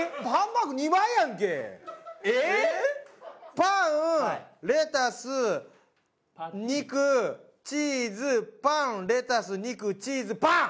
パンレタス肉チーズパンレタス肉チーズパン。